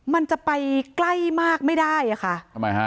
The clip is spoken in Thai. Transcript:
มันจะไปใกล้มากไม่ได้อ่ะค่ะทำไมฮะ